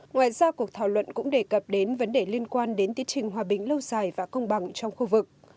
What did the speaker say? ngoài ra cuộc thảo luận cũng đề cập đến vấn đề liên quan đến tiến trình hòa bình lâu dài và công bằng trong khu vực